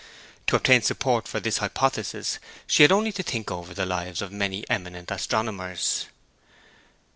To obtain support for this hypothesis she had only to think over the lives of many eminent astronomers.